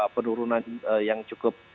penurunan yang cukup